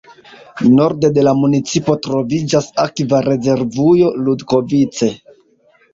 Norde de la municipo troviĝas Akva rezervujo Ludkovice.